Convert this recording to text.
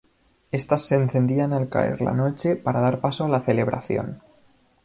Estas se encendían al caer la noche, para dar paso a la celebración.